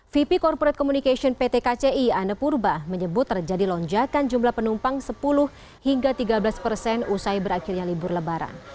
vp corporate communication pt kci anne purba menyebut terjadi lonjakan jumlah penumpang sepuluh hingga tiga belas persen usai berakhirnya libur lebaran